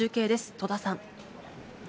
戸田さん。